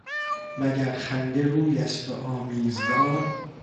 و گر خنده روی است و آمیزگار